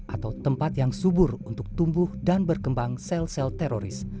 atau tempat yang subur untuk tumbuh dan berkembang sel sel teroris